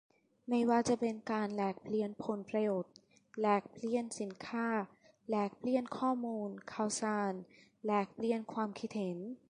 ไม่ว่าจะเป็นการแลกเปลี่ยนผลประโยชน์ แลกเปลี่ยนสินค้า แลกเปลี่ยนข้อมูลข่าวสาร แลกเปลี่ยนความคิดเห็น